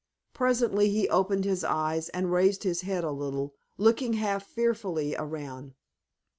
Presently he opened his eyes, and raised his head a little, looking half fearfully around.